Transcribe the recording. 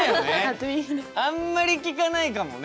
あんまり聞かないかもね。